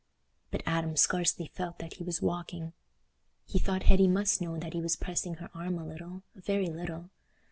But Adam scarcely felt that he was walking. He thought Hetty must know that he was pressing her arm a little—a very little.